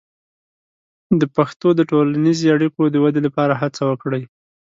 د پښتو د ټولنیزې اړیکو د ودې لپاره هڅه وکړئ.